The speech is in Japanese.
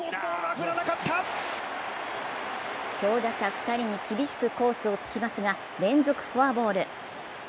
強打者２人に厳しくコースを突きますが連続フォアボール。